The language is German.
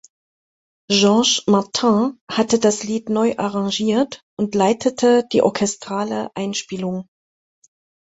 George Martin hatte das Lied neu arrangiert und leitete die orchestrale Einspielung.